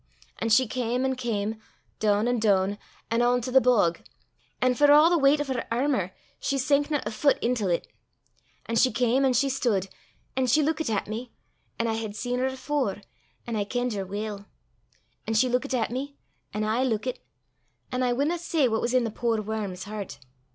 An' she cam an' cam, doon an' doon, an' on to the bog; an' for a' the weicht o' her airmour she sankna a fit intil 't. An' she cam, an' she stude, an' she luikit at me; an' I hed seen her afore, an' kenned her weel. An' she luikit at me, an' aye luikit; an' I winna say what was i' the puir worm's hert.